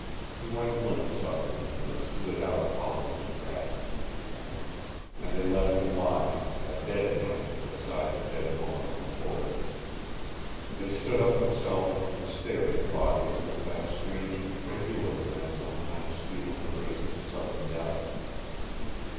He went limp suddenly and slid out of Hollister's grasp. And they let him lie, a dead man beside the dead woman on the floor. They stood up themselves and stared at the bodies with that strange incredulity men sometimes feel in the face of sudden death.